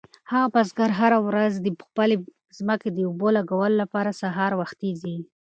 هغه بزګر هره ورځ خپلې ځمکې ته د اوبو لګولو لپاره سهار وختي ځي.